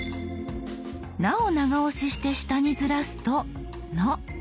「な」を長押しして下にずらすと「の」。